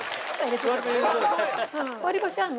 割り箸あんの？